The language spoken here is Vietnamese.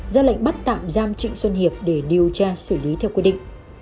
ra lệnh bắt tạm giam trịnh xuân hiệp để điều tra xử lý theo quy định